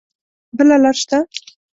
بله لار شته؟